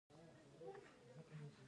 غوښې د افغانانو د معیشت سرچینه ده.